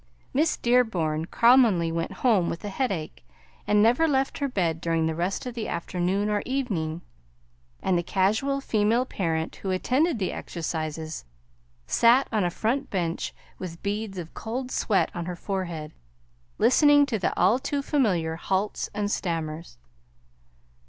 Miss Dearborn commonly went home with a headache, and never left her bed during the rest of the afternoon or evening; and the casual female parent who attended the exercises sat on a front bench with beads of cold sweat on her forehead, listening to the all too familiar halts and stammers.